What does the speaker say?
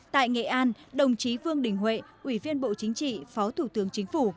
tại nghệ an đồng chí vương đình huệ ủy viên bộ chính trị phó thủ tướng chính phủ